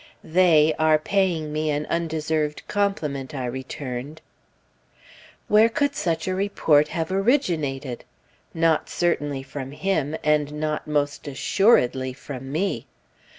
"'They' are paying me an undeserved compliment," I returned. Where could such a report have originated? Not certainly from him, and not, most assuredly, from me.